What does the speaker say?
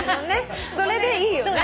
それでいいよね。